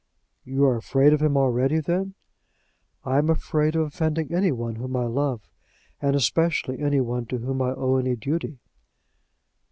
"You are afraid of him already, then?" "I am afraid of offending any one whom I love, and especially any one to whom I owe any duty."